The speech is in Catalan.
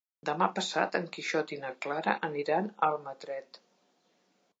Demà passat en Quixot i na Clara aniran a Almatret.